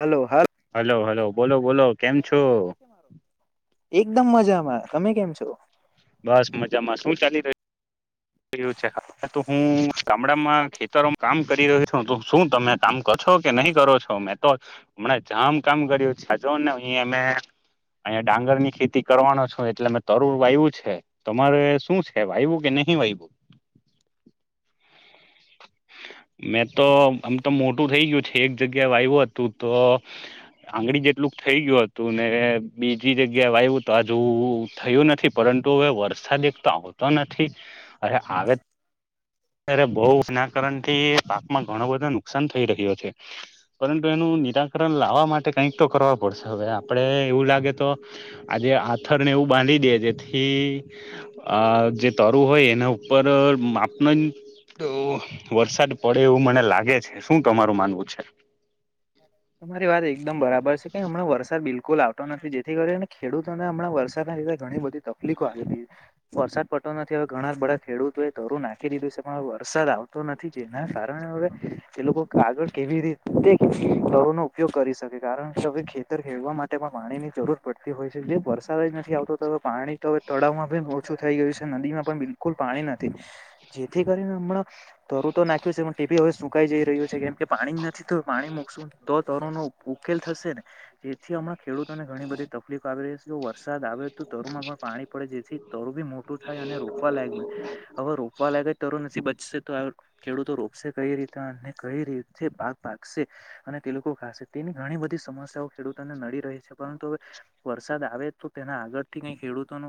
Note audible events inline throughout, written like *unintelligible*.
Hello હ hello hello બોલો બોલો કેમ છો એકદમ મજામાં તમે કેમ છો? બસ મજામાં શું ચાલી રહ્યું છે? હાલે તો હું ગામડામાં ખેતરોમાં કામ કરી રહ્યો છું તો શું તમે કામ કરો છો કે નહી કરો છો મેં તો જામ કામ કર્યું છે જો ને અહી અમે. અહીંયા ડાંગર ની ખેતી કરવાનો છું એટલે મે તરુર વાયું છે, તમારે શું છે વાયું કે નહીં વાયું? *inaudible* મેં તો આમ તો મોટું થઇ ગયું છે એક જગ્યાએ આવું હતું તો. આંગળી જેટલું થઈ ગયું હતું ને બીજી જગ્યા વા આવ્યું તો હજુ થયું નથી પરંતુ પરુ હવે વરસાદ એક તો આવતો નથી, અરે આવે ત્યારે બહ એના કારણથી પાકમાં ઘણો બધો નુકસાન થઈ રહ્યો છે, પરંતુ એ નું નિરાકરણ લાવવા માટે કઈક તો કરવા પડશે હવે આપે એવું લાગે તો, આજે આથર એવું બાંધી દે જેથી, આ જે તરું હોય એના ઉપર પર માપન તો વરસાદ પડે એવું મને લાગે છે, શું તમારું માનવું છે. હ *inaudible* તમારી વાત એકદમ બરાબર છે કે હમણાં વરસાદ બિલકુલ આવતો નથી જેથી કરીને ખેડૂતોને હમં વરસાદના લીધે ઘણી બધી તકલીફો આવી હતી, વરસાદ પડતો નથી હવે ઘણા બધા ખેડૂતો એ ધરું નાખી દીધું છે પણ વરસાદ આવતો નથી જેના કારણે હવે, એ લોકો આગળ કેવી રીતે ઘરો નો ઉપયોગ કરી શકે કારણ કે હ ખેતર ખેડવા માટે પણ પાણી ની જરૂર પડતી હોય છે જે વરસાદ જ નથી આવતો તો હવે પાણી તો હવે તળાવમાં પણી ઓછું થઈ ગયું છે નદીમાં પણ બિલકુલ પાણી નથી. જેથી કરીને હમણાં તરું તો નાખ્યું છે પણ તે ભી હવે સુકાઈ જઈ રહ્યો છે કેમ કે પાણી નથી. તો પાણી મુકશું તો તરો નો ઉકેલ થશે ને, જેથી હમણાં ખેડૂતોને ઘણી બધી તકલીફો આવી રહી છે. જો વરસાદ આવે તો તરુ માં પણ પાણી પડે જેથી તરુ બી મોટું થાય અને રોપવા લયક બને, હવે રોવા લાગે તર નથી બચશે તો ખેડૂતો રોપશે કઈ રીતે અને કઈ રીતે ભાગ ભાગ અને તે લોકો ખાશે તેની ઘણી બધી સમસ્યાઓ ખેડૂતોને નડી રહી છે પરંતુ, વરસાદ આવે તો તેના આગળ થી કઈ ખેડૂતો ન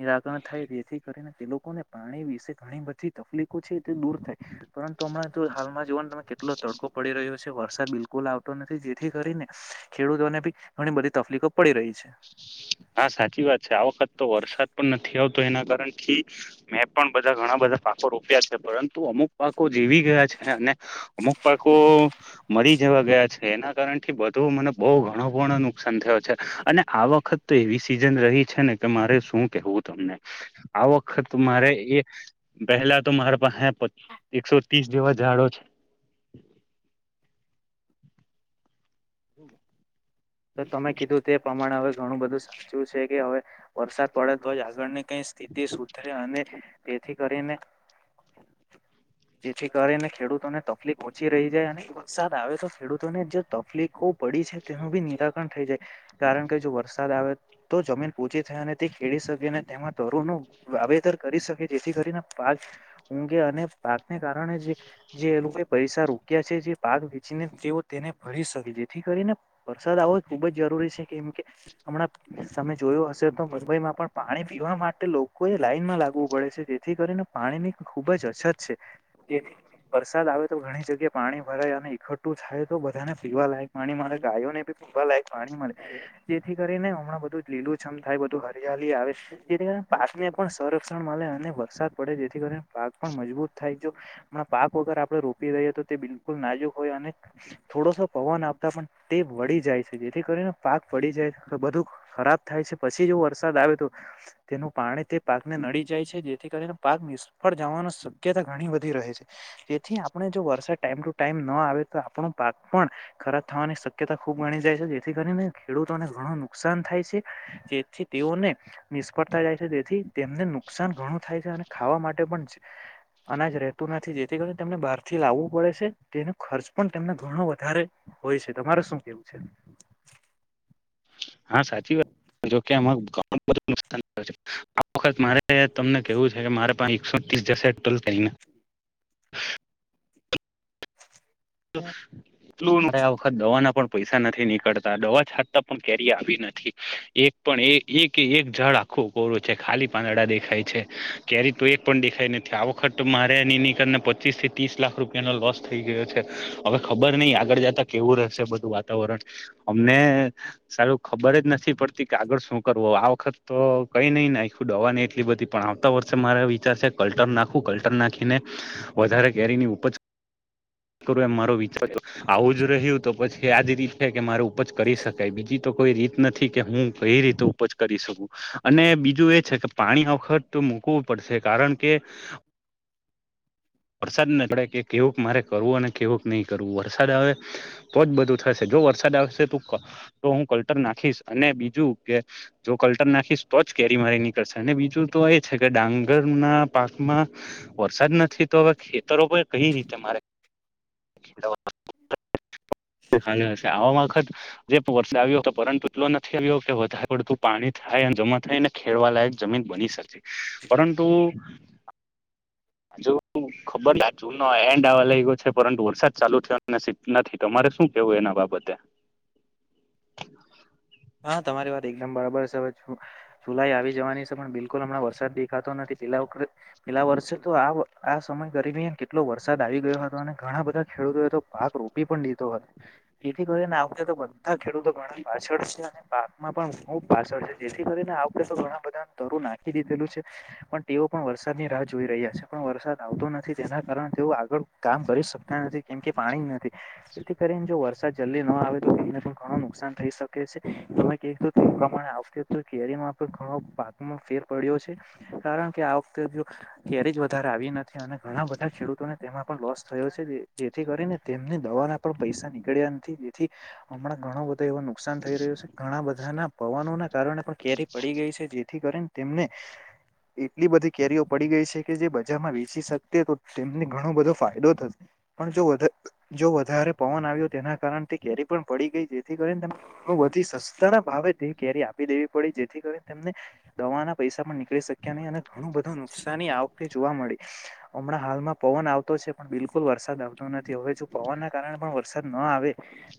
નિરાકરણ થાય તેથી કરીને તે લોકોને પાણી વિશે ઘણી બધી તકલીફો છે તે દૂર થાય. પરંતુ હમણાં તો હાલમાં જીવન તમે કેટલો તડકો પડી રહ્યો છે. વરસાદ બિલકુલ આવતો નથી જેથી કરીને, ખેડૂતોને બી ઘણી બધી તકલીફો પડી રહી છે. હા સાચી વાત છે આ વખત તો વરસાદ પણ નથી. ના કારથી, મેં પણ બધા ઘણા બધા પાકો રોપ્યા છે પરંતુ અમુક પાકો જેવી ગયા. અને, અમુક પાકો મરી જવા ગયા છે એના કારણ થી બધું મને બહ ઘણ નુકસાન થયો છે, અને આ વખત તો એવી સીઝન રહી છે ને કે મારે શું કેવું તમને, આ વખત મારે એ પહેલા તો મારા પાસે હ એકસો ત્રીસ જેવા ઝાડો છે. *inaudible* બલો *unintelligible* તો તમે કીધું તે પ્રમાણે હવે ઘણું બધું સાચું છે કે હવે, વરસાદ પડે તો જ આગળની કઈ સ્થિતિ સુધરે અને, તેથી કરીને જેથી કરીને ખેડૂતોને તકલીફ ઓછી રહી જાય અને વરસાદ આવે તો ખેડૂતોને જો તકલીફ ખબ પડી છે તેનો બી નિ થઈ જાય, કારણ કે જો વરસાદ આવે તો જમીન પોછી થાય અને તે ખેડી શકેને તેમાં તરુ ન વાવેતર કરી શકે જેથી કરીને પાક, ઊંઘે અને પાકને કારણે જે જે પૈસા રોક્યા છે જે પાક વેચીને તેઓ તેને ભરી શકે જેથી કરીને અસસાદ આવો ખૂબજ જરૂરી છે, કેમ કે હમણાં તમે જોયો હશે, તો મુંબઈમા પણ પાણી પીવામા માટે લોકો એ લાઈનમા લાગવું પડે છે, જેથી કરીને પાણી ની ખુબજ અછત છે. વરસાદ આવે, તો ઘણી જગ્યા પાણી ભરાય અને ઈકઠુ થાય, તો બધાને પીવા લાયક પાણી મારે ગાયોનેી ભલા એક, પાણી મળે જેથી કરીને હમણાં બધું લીલું છમ થાય, બધું હરિયાળલી આવે, જેથી પાક ને પણ સંરક્ષણ મળે અને વરસાદ પડે જેથી કરી પાક પણ મજબૂત થાય, જોણા પાક વગર આપડણે રોપી રહીએ. તો તેલુ નાજુક હોય, અને થોડોસો પવન આવતા પણ તે વળી જાય છે, જેથી કરીને પાક પડી જાય તો બધું ખરાબ થાય છે, પછી જો વરસાદ, આવે તો તેનો પાણી તે પાકને નડી જાય છે, જેથી કરીને પાક નિષ્ફળ જવાની શક્યતા ઘણી વધી રહે છે. તેથી આપણે જો વરસાદ ટાઈમ ટુ ટાઈમ ન આવે, તો આપણો પાક પણ ખરાબ થવાની શક્યતા ખૂબ ગણી જાય છે, જેથી કરીને ખેડૂતોને ઘણું નુકસાન થાય છે, જેથી તેઓને નિષ્ફળ જાય છે, તેથી તેમને નુકસાન ઘણું થાય છે, અને ખાવા માટે પણ છે. અનાજ રહેતું નથી. જેથી કરી તેમને બહારથી લાવવું પડે છે, તેનો ખર્ચ પણ તેમને ઘણો વધારે હોય છે, તમારે શું કેવું છે. હા, સાચી વાત જોકે આ વખત મારે તમને કેવું છે, કે મારે પાસેસ ત્રીસ જશે ટોલ થમા. એટલું આ વખત દવા ના પણ પૈસા નથી, નીકળતા દવા છાટતા પણ કેરી આવી એક પણ જળ આખું ગૌરું છે, ખાલી પાંદડા દેખાય છે, ક્યારે તો એક પણ દેખાઈ નથી, આ વખત મારે એની નીકળને પચીસ થી ત્રીસ લાખ રૂપિયાનોો લોસ થઈ ગયો છે. હવે ખબર નહીિ, આગળ જતા કેવું રહેશે બધું વાતાવરણ અમને સારું ખબર. નથી પડતી કાગળ શુ કરવો આ વખત. તો કઈ નહી, ને આખું દવા ન એટલી બધી પણ આવતા વર્ષમા અને વિચાર છે, કલટર નાખું કલ્ટર નાખીને વધારે કેરીની ઉપ કરુ એમ મારો વિચાર આવું જ રહ્યું, તો પછી આજ રીત છે, કે મારું જ કરી શકાય બીજી, તો કોઈ રીત નથી કે હુ કઈ રીતે ઉપજ કરી શકું અને બીજું એ છે, કે પાણી વખત. તો મૂકવું પડ કારણ કે વરસાદન પડે, કે કેવું મારે કરવું અને કેવુંક નહી, કરવું વરસાદ આવે તો જ બધું થશે જો વરસાદ આવેશે, તું તો હું કલ્ટર નાખીશ અને બીજુ કે જો કલ્ટર, નાખીશ તો જ કેરી મારી નીકળશે અને બીજુ, તો એ જ છે, કે ડાંગર ના પાકમાં વરસાદ નથી, તો હવે ખેતરો કઈ રીતે મારે *unintelligible* આવા વખત જે વરસાદ આવ્યો હતો, પરંતુ એટલો નથી. આવ્યો કે વધારે પડતું પાણી થાય જમા થાય ને ખેડવા લાયક, જમીન બની શ પરંતુ. હજુ ખબર જૂન, નો એન્ડ આવા લાગ ગયો છે. પરતુ વરસાદ ચાલુ થયો અને સ નથી, તમારે શુ કેવું, એના બાબતે હા, તમારી વાત એકદમ બરાબર છે. હવે જુલાઈ આવી જવાની છે, પણ બિલકુલ હમણા વરસાદ દેખાતો નથી પલા પીલા વરષે, તો આ આ સમય ગરમી કેટલો વરસાદ આવી ગયો, હતો અને ઘણા બધા ખેડૂતો એ તો પાક રોપી પણ લીધો હોય, એથી કરીને આવતા તો બધા ખેડૂતો ઘ પાછળ છે. પાકમાં પણ ખુબ પાછળ છે, જેથી કરીને આપડે તો ઘણા બધા તરું નાખી દીધેલું છે, પણ. તેઓ પણ વરસાદની રાહ જોઈ રહ્યા છે, પણ વરસાદ આવતો નથી. તેના કારણે તેઓ આગળ કામ કરી શકતા નથી. એમ કે પાણી નથી, જેથી કરીને જો વરસાદ જલ્દી ન આવે તો તેને પણ ઘણું નુકસાન થઈ શકે છે. તમે ક પ્રમા આવતી કેરીમાં ઘણો પા ફેર પડ્યો છે, કાર કાર કે આ વખતે ક્યારે જ વધારે આવી નથી, અને ઘણા બધા ખેડૂતોને તેમાં લોસ થયો છે જેથી કરીને તેમની દવાના પણ પૈસા નીકળ્યા નથી તેથી હમણાં ઘણો એ નુકસાન થઈ રહ્યું છે ઘણા બધા ના પવનોના કારણે પણ કેરી પડી ગઈ છે જેથી કરીને તેમને એટલી બધી કેરીઓ પડી ગઈ છે કે જે બજારમાં વેચી શકતી તો તેમને ઘણો બધો ફાયદો થશે પણ જો જો વધારે પવન આવ્યો તેના કારણે તે કેરી પણ પડી ગઈ જેથી કરીને વધી સસ્તાના ભાવે તે કેરી આપી દેવી પડી જેથી કરીને તેમને દવાના પૈસા પણ નીકળી શક્યા નહીં અને ઘણું બધું નુકસાની આવ જોવા મળી હમણાં હાલમાં પવન આવતો છે પણ બિલકુલ વરસાદ આવતો નથી હવે જો પવનના કારણે પણ વરસાદ ના આવે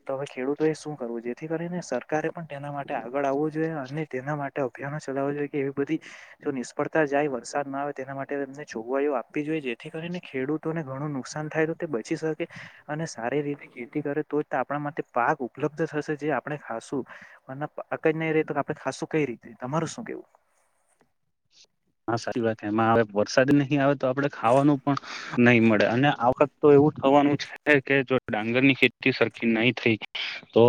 તો હવે ખેડૂતો એ શું કરવું જેથી કરીને સર સરકારે પણ તેના માટે આગળ આવવું જોઈએ અને તેના માટે અભિયાનો ચલાવ જોઈએ એવી બધી જો નિષ્ફળતા જાય વરસાદ ના આવે તેના માટે તેમને જોગવાઈઓ આપવી જોઈએ જેથી કરીને ખેડૂતોને ઘણું નુકસાન થાય તો તે બચી શકે અને સારી રીતે ખેતી કરે તો જ આપણા માટે પાક ઉપલબ્ધ થશે આપણે ખાસું અને પાક જ નહી રે આપણે ખાસું કઈ રીતે તમારું શું કેવું હા સાચી વાત એમાં હ વરસાદ નહીં આવે તો આપડે ખાવાનું પણ નહી મળે અને આ વખત તો એવું થવાનું છે કે જો ડાંગર ની ખેતી સરખી નહી થઈ તો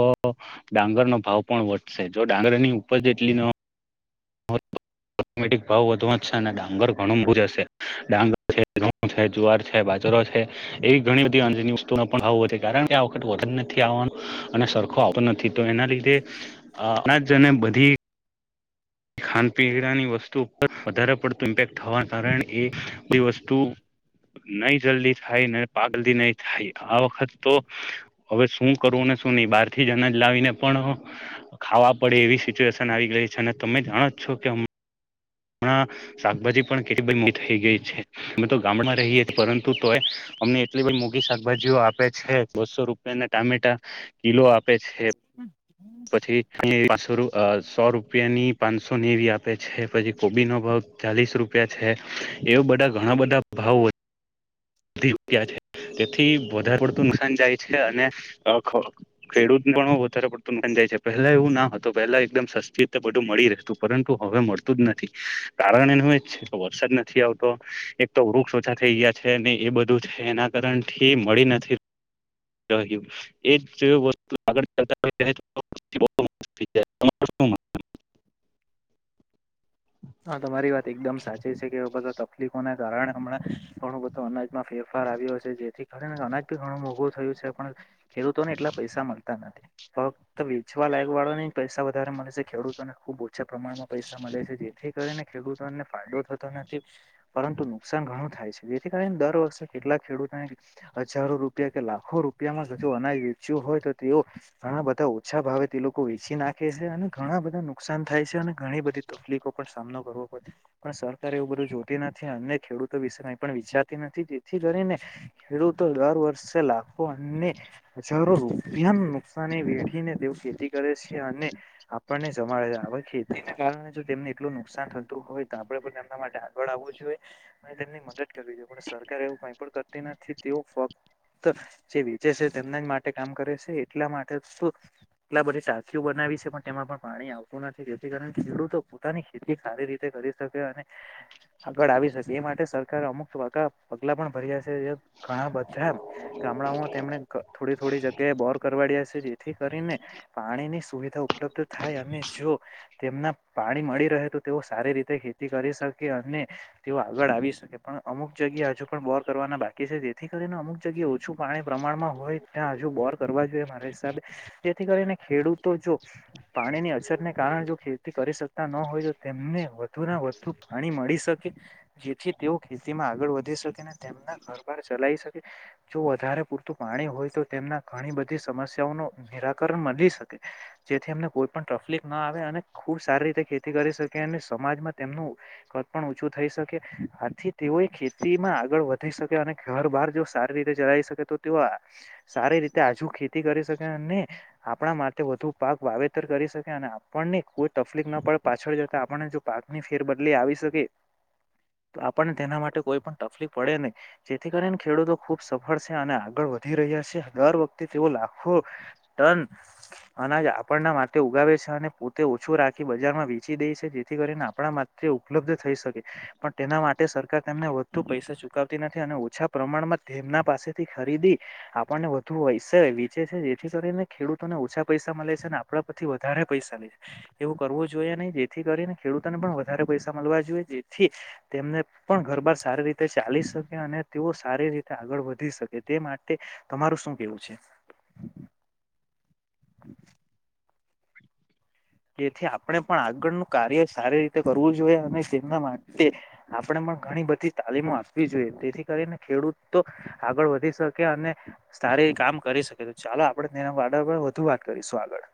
ડાંગર ન ભાવ પણ વધશે જો ડાંગરની ઉપજ એટલી ન *inaudible* ઓટોમેટિક ભાવ વધુ જ છે અને ડાંગર ઘણું બૂ જ હશે ડાંગર છે ઘઉ છે જુવાર છે બાજરો છે એવી ઘણી બધી અજ વસ્તુ પણ ભાવ વધે કારણ આ વખત વધન નથી આવવાનું અને સરખો આવતો નથી તો એના લીધે આપણા જને બધી ખાનપીવાની વસ્તુ પર વધારે પડતું ઇમ્પેક્ટ થવાના કારણે એ બે વસ્તુ નહી જલ્દી થાય ને પાગલદી નહી થાય આ વખત તો હવે શું કરવું ને શુ નહી બારથી જનજ લાવીને પણ ખાવા પડે એવી સિચ્યુએશન આવી ગઈ છે તમે જાણો જ છો કે હમણા શાકભાજી પણ કેટલી બઘી મોઘી થઈ ગઈ છે અમે તો ગામડામાં રહીએ પરંતુ તોય અમને એટલી બધી મોઘી શાકભાજીઓ આપે છે બસો રૂપિયાને ટામેટા કિલો આપે છે પછી *unintelligible* સો રૂપી રૂપિયાની પાંચસો નેવી આપે છે પછી કોબીનો ભાવ ચાલીસ રૂપિયા છે એવ બધા ઘણા બધા ભાવ *inaudible* *unintelligible* તેથી વધારે પડતું નુકસાન જાય છે અને ખેડૂતને પણ વધારે પડતું છે પહેલા એવું ના હત પહેલા એકદમ સસ્તી રીતે બધું મળી રહેતું પરંતુ હવે મળતું જ નથી કારણ એનું એજ છે વરસાદ નથી આવતો એક તો વૃક્ષ ઓછા થઈ ગયા છે ને એ બધું છે એના *unintelligible* મળી નથી એજ વસ્તુ આગળતા *unintelligible* *unintelligible* *unintelligible* હા તમારી વાત એકદમ સાચી છે કે બધા તકલીફોના કારણે હમણાં થોણું બધું અનાજ માં ફેરફાર આવ્યો છે જેથી અનાજ બી ઘણું મોંઘું થયું છે પણ ખેડૂતોને એટલા પૈસા મળતા નથી ફક્ત વેચવા ગ વાળો પૈસા વધારે મળે છે. ખેડૂતોને ખુબ ઓછા પ્રમાણમાં પૈસા મળે છે જે જેથી કરીને ખેડૂતોને ફાયદો થતો નથી પરંતુ નુકસાન ઘણું થાય છે જેથી કરીને દર વર્ષે કેટલાક ખેડૂતોને હજારો રૂપિયા કે લાખો રૂપિયામાં અનાજ વેચ્યો હોય તો તેઓ બધા ઓછા ભાવે તે લોકો વેચી નાખે છે અને ઘણા બધા નુકસાન થાય છે અને ઘણી બધી તકલીફો સામનો કરવો પડ પણ સરકારે એવું બધું જોતી નથી અન્ય ખેડૂતો વિશે ક પણ વિચારતી નથી જે કરીને ખેડૂતો દર વર્ષે લાખો અને હજારો રૂપિયાનું નુકસાની વેઢીને તે ખેતી કરે છે અને આપણને સમાડે હ ખેતીને કારણે જો તેમને એટલું નુકસાન થતું હોય તો આપણે પણ એના માટે આગળ આવવું જોઈએ અને તેમની મદદ કરવી જોઈએ પણ સરકારે એવું ભ પણ કરતી નથી તેવો ફક્કત તો જે વેચે છે તેમના જ માટે કામ કરે છે એટલા માટે શ એટલા બધી ચાકીઓ બના આવી છે પણ તેમાં પણ પાણી આવતું નથી જેથી કારણ ખેડૂતો પોતાની ખેતી સારી રીતે કરી શકે અને આગળ આવી શકે એ માટે સરકાર અમુક એકલા પણ ભર્યા છે ઘણા બધા ગામડાઓમાં તેમને થોડી થોડી જગ્યાએ બોર કરવાડ્યા જેથી કરીને પાણીની સુવિધા ઉપલબ્ધ થાય અને જો તેમના પાણી મળી રહે તો તેઓ સારી રીતે ખેતી કરી શકે અને તેઓ આગળ આવી શકે પણ અમુક જગ્યા હજુ પણ બોર કરવાના બાકી છે જેથી કરીને અમુક જગ્યા ઓછું પાણી પ્રમાણમાં હોય ત્યાં હજુ બોર કરવા જોઈએ હિસાબે જેથી કરીને ખેડૂતો જો પાણીની અછતને કારણ જો ખેતી કરી શક ન હોય તો તેમને વધુ વધુ પાણી મળી શકે જેથી તેઓ ખેતીમાં આગળ વધી ના ઘરાર ચલા શકે જો વધારે પૂરતું પાણી હોય તો તેમના ઘણી બધી સમ્યા ન નિરાકરણ મળી શકે જેથી એમને કોઈ પણ તકલીફ ના આવે અને ખૂબ સારી રીતે ખેતી કરી શકે અને સમાજમાં તેમનું ક પણ ઓછું થઈ શકે આથી તેઓય ખેતી માં આગળ વધી શકે અને ઘર બાર જો સારી રીતે ચલાવી શકે તો તેઓ સારી રીતે આજુ ખેતી કરી શકે અને આપણા માટે વધુ પાક વાવેતર કરી શકે અને આપણને કોઈ તકલીફ ના પડે પાછળ જતા આપણને જો પાક ની ફેર બદલી આવી શકે તો આપણને તેના માટે કોઈ પણ તકલીફ પડે નહી જેથી કરીને ખેડૂતો ખુબ સફળ છે અને આગળ વધી રહ્યા છે દર વખતે તેઓ લાખો ટન અનાજ આપણના માટે ઉગાવ અને પોતે ઓછું રાખી બજારમાં ચ જેથી કરીને આપણા માટે ઉપલબ્ધ થઈ શકે પણ તેના માટે સરકાર તેમને વધુ પૈસા ચુકવતી નથી અને ઓછા પ્રમાણમાં તેમના પાસેથી ખરીદી આપ વધુ હોય છે વચે છે જેથી કરીને ખેડૂતોને ઓછા પૈસા મળે છે અને આપ થી વધારે પૈસા લે એવું કરવું જોઈએ નહી જેથી કરીને ખેડૂતોને પણ વધારે પૈસા મળવા જોઈએ જેથી તેમને પણ ઘરબાર સારી રીતે ચા શકે અને તેઓ સારી રીતે આગળ વધી શકે તે માટે તમારું શું કેવું છે હ જેથી આપણે પણ આગળનું કાર્ય સારી રીતે કરવું જોઈએ અને તેમના માટે આપણે પણ ઘણી બધી તાલીમો આપવી જોઈએ તેથી કરીને ખેડૂત તો આગળ વધી શકે અને સારી કામ કરી શકે ચાલો આપણેેરમ વધુ વાત કરીશું આગળ